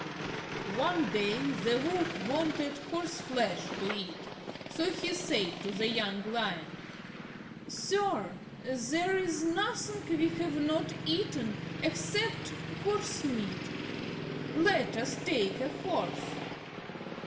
One day the Wolf wanted horse flesh to eat, so he said to the young Lion, "Sir, there is nothing we have not eaten except horse meat; let us take a horse."